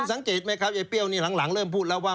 สังเกตไหมครับยายเปรี้ยวนี่หลังเริ่มพูดแล้วว่า